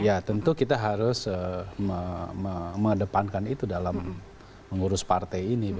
ya tentu kita harus mengedepankan itu dalam mengurus partai ini